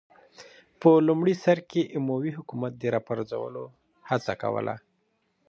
په لومړي سر کې اموي حکومت راپرځولو هڅه کوله